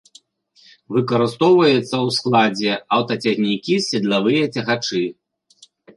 Выкарыстоўваецца ў складзе аўтацягнікі з седлавыя цягачы.